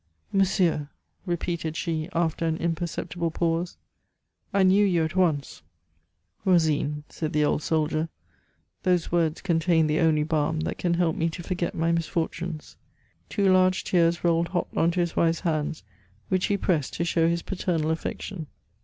"Monsieur," repeated she, after an imperceptible pause, "I knew you at once." "Rosine," said the old soldier, "those words contain the only balm that can help me to forget my misfortunes." Two large tears rolled hot on to his wife's hands, which he pressed to show his paternal affection.